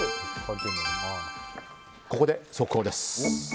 ここで速報です。